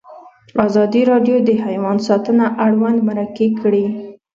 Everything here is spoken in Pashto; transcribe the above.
ازادي راډیو د حیوان ساتنه اړوند مرکې کړي.